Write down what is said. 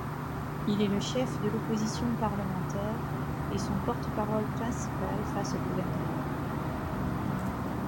Il est le chef de l'opposition parlementaire et son porte-parole principal face au gouvernement.